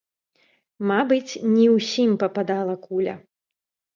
Мабыць, ні ўсім пападала куля.